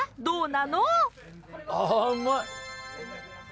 どうなの？